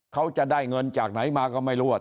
เขาจะได้เงินจากไหนมาก็ไม่รู้ว่า